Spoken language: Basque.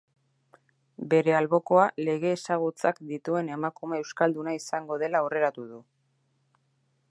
Bere albokoa lege ezagutzak dituen emakume euskalduna izango dela aurreratu du.